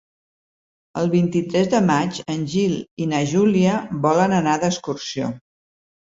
El vint-i-tres de maig en Gil i na Júlia volen anar d'excursió.